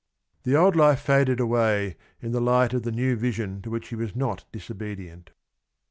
The old life faded away in the light of the new vision to which he was not disobedient.